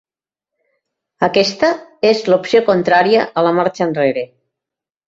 Aquesta és l’opció contrària a la marxa enrere.